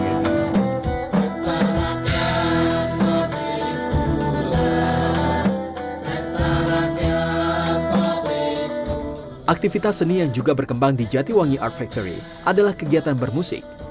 aktivitas seni yang juga berkembang di jatiwangi art factory adalah kegiatan bermusik